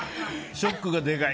ショックがでかい。